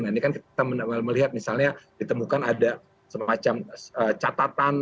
nah ini kan kita melihat misalnya ditemukan ada semacam catatan